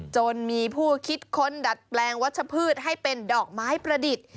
จนมีผู้คิดค้นดัดแปลงวัชพืชให้เป็นดอกไม้ประดิษฐ์